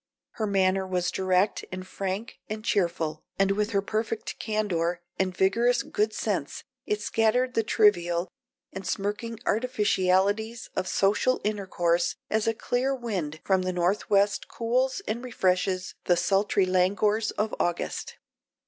Her manner was direct and frank and cheerful, and with her perfect candor and vigorous good sense it scattered the trivial and smirking artificialities of social intercourse as a clear wind from the north west cools and refreshes the sultry languors of August.